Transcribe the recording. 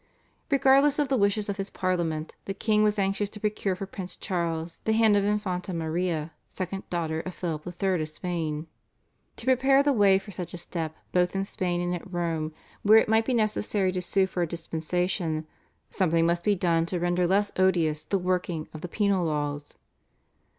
Regardless of the wishes of his Parliament the king was anxious to procure for Prince Charles the hand of the Infanta Maria, second daughter of Philip III. of Spain. To prepare the way for such a step both in Spain and at Rome, where it might be necessary to sue for a dispensation, something must be done to render less odious the working of the penal laws.